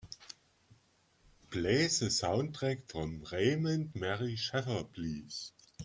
Play the sound track from Raymond Murray Schafer please